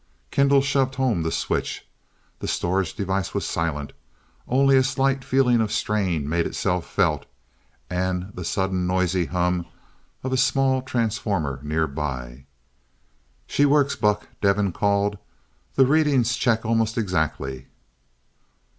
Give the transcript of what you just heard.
Kendall shoved home the switch. The storage device was silent. Only a slight feeling of strain made itself felt, and the sudden noisy hum of a small transformer nearby. "She works, Buck!" Devin called. "The readings check almost exactly."